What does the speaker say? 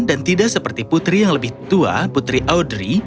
dan tidak seperti putri yang lebih tua putri audrey